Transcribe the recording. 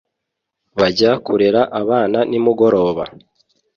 Bajya kurera abana nimugoroba